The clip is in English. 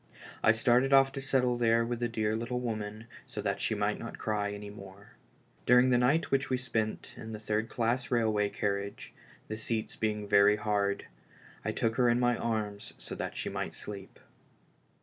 I started off to settle there with the dear little woman so that she might not cry any more. During the night which we spent in the third class railway carriage, the seats being very hard, I took her in my arms so that she might sleep.